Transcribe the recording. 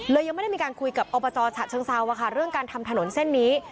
ยังไม่ได้มีการคุยกับอบจฉะเชิงเซาเรื่องการทำถนนเส้นนี้